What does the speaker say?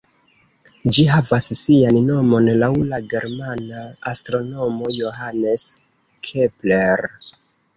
Ĝi havas sian nomon laŭ la germana astronomo Johannes Kepler.